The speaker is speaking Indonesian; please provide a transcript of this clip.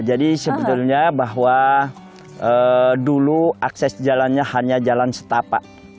dua ribu dua puluh dua jadi sebetulnya bahwa dulu akses jalannya hanya jalan setapak